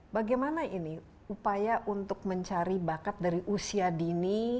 bagaimana ini upaya untuk mencari bakat dari usia dini